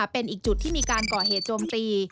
เป็นอีกจุดที่มีการก่อเหตุโจมตี